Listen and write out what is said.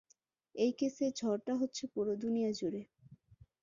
এই কেসে, ঝড়টা হচ্ছে পুরো দুনিয়াজুড়ে!